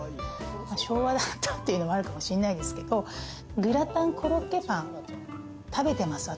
昭和だったっていうのもあるかもしんないですけどグラタンコロッケパン食べてます私！